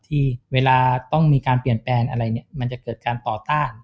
ที่เวลาต้องมีการเปลี่ยนแปลงอะไรเนี่ยมันจะเกิดการต่อต้าน